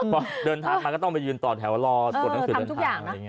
พอเดินทางมาก็ต้องไปยืนต่อแถวรอตรงนั้นสุดเดินทาง